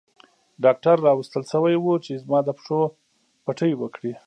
ډاکټر راوستل شوی وو چې زما د پښو پټۍ وکړي.